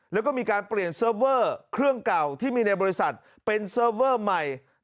แล้วก็มีการเปลี่ยนเซิร์ฟเวอร์เครื่องเก่าที่มีในบริษัทเป็นเซิร์ฟเวอร์ใหม่